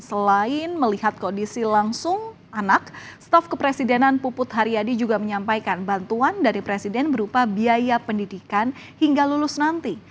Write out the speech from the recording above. selain melihat kondisi langsung anak staf kepresidenan puput haryadi juga menyampaikan bantuan dari presiden berupa biaya pendidikan hingga lulus nanti